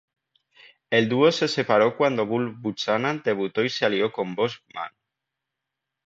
El dúo se separó cuando Bull Buchanan debutó y se alió con Boss Man.